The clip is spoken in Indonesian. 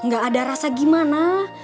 gak ada rasa gimana